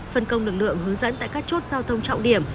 phân công lực lượng hướng dẫn tại các chốt giao thông trọng điểm